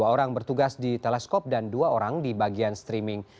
dua orang bertugas di teleskop dan dua orang di bagian streaming